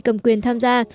cầm quyền tham gia